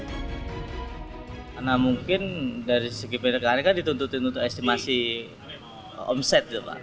karena mungkin dari segi perekannya kan dituntutin untuk estimasi omset